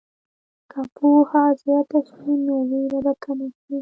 که پوهه زیاته شي، نو ویره به کمه شي.